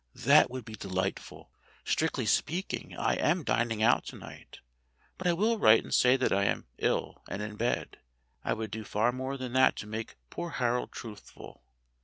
"That would be delightful. Strictly speaking, I am dining out to night, but I will write and say that I am ill and in bed I would do far more than that to make poor Harold truthful.